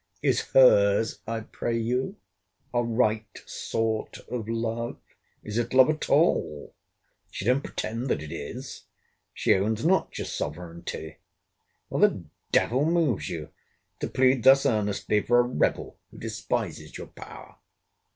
Is her's, I pray you, a right sort of love? Is it love at all? She don't pretend that it is. She owns not your sovereignty. What a d—l moves you, to plead thus earnestly for a rebel, who despises your power?